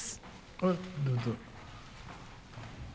はいどうぞ。